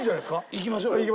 いきましょう。